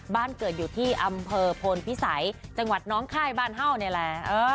บ้านเกิดอยู่ที่อำเภอพลพิสัยจังหวัดน้องค่ายบ้านเห่านี่แหละ